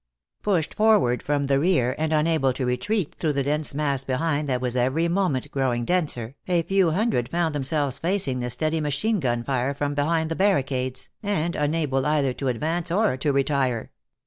Pushed forward from the rear and unable to retreat through the dense mass behind that was every moment growing denser, a few hundreds found themselves facing the steady machine gun fire from behind the barricades, and unable either to advance or to retire.